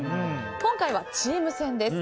今回はチーム戦です。